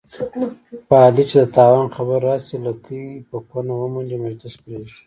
په علي چې د تاوان خبره راشي، لکۍ په کونه ومنډي، مجلس پرېږدي.